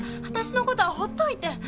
わたしのことはほっといて。